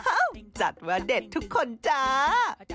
จัดว่าเด็ดทุกคนจ้า